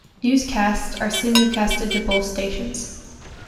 Newscasts are simulcasted to both stations.